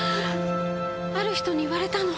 ある人に言われたの。